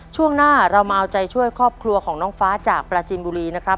ช่วงหน้าเรามาเอาใจช่วยครอบครัวของน้องฟ้าจากปราจินบุรีนะครับ